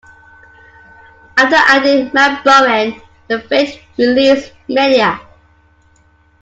After adding Matt Bowen, the Faint released "Media".